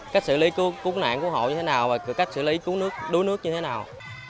cách xử lý cú nạn cú hộ như thế nào và cách xử lý đuối nước như thế nào